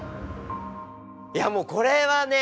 いやもうこれはね